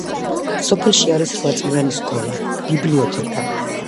სოფელში არის რვაწლიანი სკოლა, ბიბლიოთეკა.